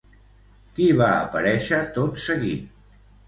Qui va aparèixer, tot seguit?